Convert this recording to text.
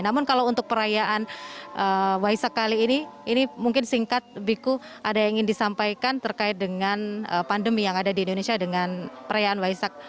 namun kalau untuk perayaan waisak kali ini ini mungkin singkat biku ada yang ingin disampaikan terkait dengan pandemi yang ada di indonesia dengan perayaan waisak